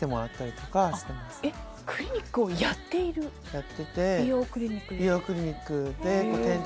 やってて美容クリニックですか？